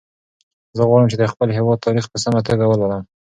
زه غواړم چې د خپل هېواد تاریخ په سمه توګه ولولم.